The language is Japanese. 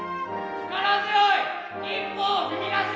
力強い一歩を踏み出します。